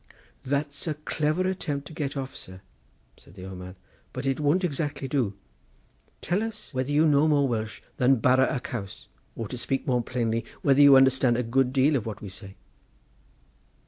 "That's a clever attempt to get off, sir," said the old man, "but it won't exactly do. Tell us whether you know more Welsh than bara y caws; or to speak more plainly, whether you understand a good deal of what we say."